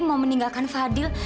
mau meninggalkan fadil